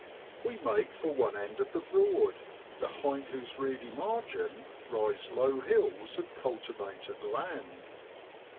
We make for one end of the Broad, behind whose reedy margin rise low hills of cultivated land.